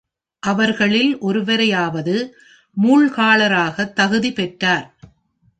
அவர்களில் ஒருவரையாவது மூழ்காளராக தகுதி பெற்றார்.